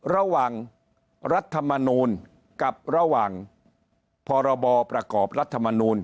รัฐมนูลกับระหว่างพรบประกอบรัฐมนูล